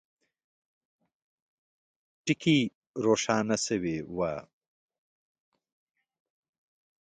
ټکي روښانه سوي وه.